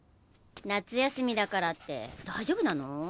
夏休みだからって大丈夫なの？